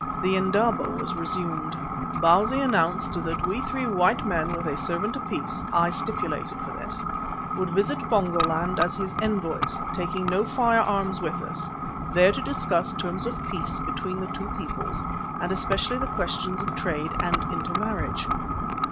The indaba was resumed. Bausi announced that we three white men with a servant apiece (I stipulated for this) would visit Pongo land as his envoys, taking no firearms with us, there to discuss terms of peace between the two peoples, and especially the questions of trade and intermarriage.